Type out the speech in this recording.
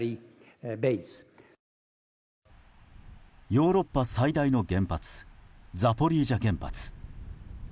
ヨーロッパ最大の原発ザポリージャ原発。